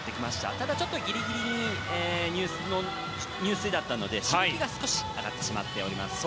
ただちょっとギリギリの入水だったのでしぶきが少し上がってしまっております。